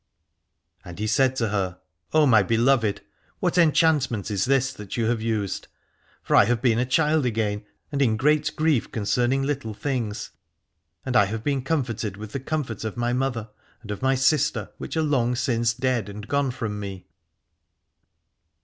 And he said to her : O my beloved, what 317 Aladore enchantment is this that you have used ? For I have been a child again, and in great grief concerning little things : and I have been comforted with the comfort of my mother and of my sister which are long since dead and gone from me.